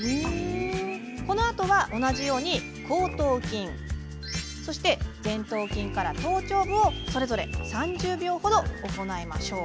そのあとは、同じように後頭筋そして前頭筋から頭頂部をそれぞれ３０秒程行いましょう。